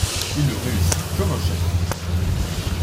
Il le réussit comme un chef.